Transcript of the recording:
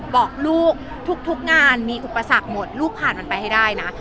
บอกลูกทุกงานมีอุปสรรคหมดลูกผ่านมันไปให้ได้นะ